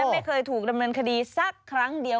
ไม่เคยถูกดำเนินคดีสักครั้งเดียว